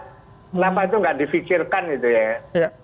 kenapa itu nggak difikirkan gitu ya